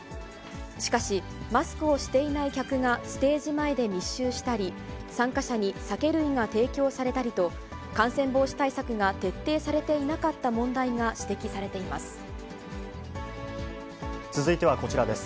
しかし、マスクをしていない客がステージ前で密集したり、参加者に酒類が提供されたりと、感染防止対策が徹底されていなかった問題が指摘されています。